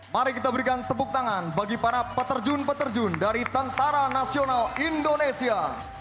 mari kita berikan tepuk tangan bagi para peterjun peterjun dari tentara nasional indonesia